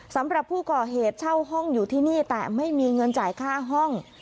สำหรับผู้ก่อเหตุเช่าห้องอยู่ที่นี่แต่ไม่มีเงินจ่ายค่าห้อง